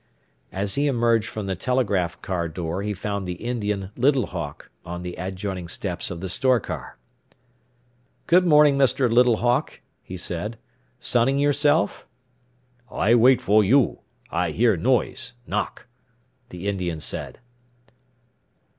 As he emerged from the telegraph car door he found the Indian, Little Hawk, on the adjoining steps of the store car. "Good morning, Mr. Little Hawk," he said. "Sunning yourself?" "I wait for you. I hear noise knock," the Indian said.